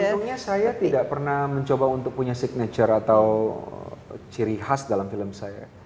untungnya saya tidak pernah mencoba untuk punya signature atau ciri khas dalam film saya